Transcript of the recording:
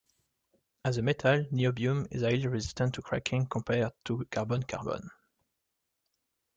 As a metal, niobium is highly resistant to cracking compared to carbon-carbon.